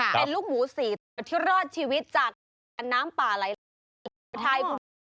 เป็นลูกหมูสีที่รอดชีวิตจากน้ำปลาไลน์ไทย